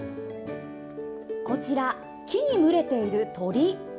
こちら木に群れている鳥。